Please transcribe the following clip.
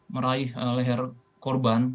meraih leher korban